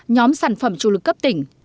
nhóm sản phẩm chủ lực cấp tỉnh